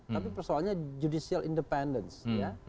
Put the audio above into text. tapi persoalannya judicial independence ya